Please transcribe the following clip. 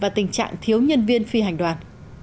và tình trạng thiếu nhân viên phi hành đoàn